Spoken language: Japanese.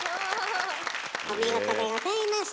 お見事でございました！